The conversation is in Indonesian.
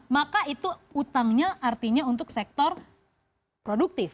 maka itu utangnya artinya untuk sektor produktif